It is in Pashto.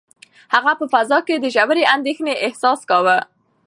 هغه په فضا کې د ژورې اندېښنې احساس کاوه.